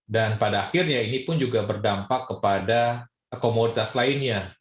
dan pada akhirnya ini pun juga berdampak kepada komoditas lainnya